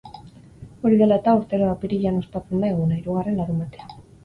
Hori dela-eta, urtero apirilean ospatzen da eguna, hirugarren larunbatean.